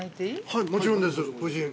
◆はい、もちろんです、夫人。